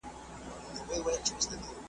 هدیره دي د غلیم سه ماته مه ګوره قبرونه `